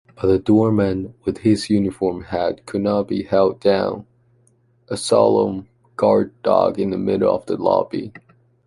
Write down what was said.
But the doorman, with his uniform hat, could not be held down - a solemn guard dog - in the middle of the lobby.